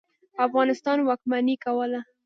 په افغانستان واکمني کوله.